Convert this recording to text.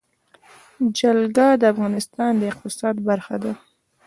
جلګه د افغانستان د اقتصاد برخه ده.